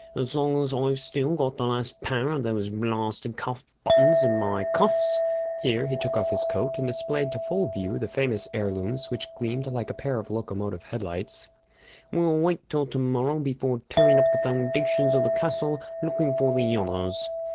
As long as I've still got the last pair of those blarsted cuff buttons in my cuffs," here he took off his coat and displayed to full view the famous heirlooms, which gleamed like a pair of locomotive headlights, "we'll wait till to morrow before tearing up the foundations of the castle looking for the others!"